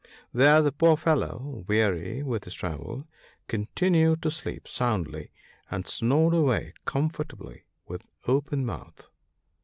There the poor fellow, weary with his travel, continued to sleep soundly, and snored away comfortably with open mouth.